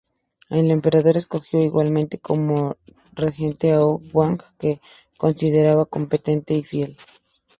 El emperador escogió igualmente como regente a Huo Guang que consideraba competente y fiel.